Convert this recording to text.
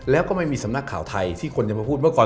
แล้วก็ไม่มีสำนักข่าวไทยที่คนจะมาพูดเมื่อก่อน